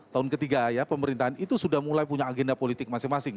tahun ketiga ya pemerintahan itu sudah mulai punya agenda politik masing masing